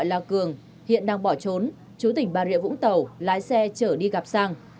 là cường hiện đang bỏ trốn chú tỉnh bà rịa vũng tàu lái xe chở đi gặp sang